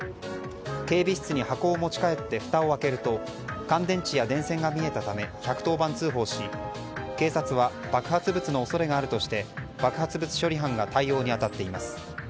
警備室に箱を持ち帰ってふたを開けると乾電池や電線が見えたため１１０番通報し警察は爆発物の恐れがあるとして爆発物処理班が対応に当たっています。